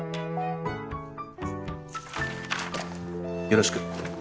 ・よろしく。